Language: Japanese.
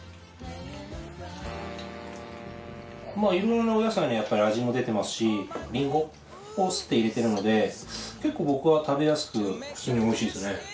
いろいろなお野菜の味も出てますしリンゴをすって入れてるので結構僕は食べやすく普通に美味しいですね。